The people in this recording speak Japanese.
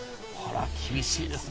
厳しいですね。